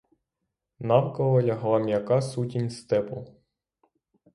Навколо лягла м'яка сутінь степу.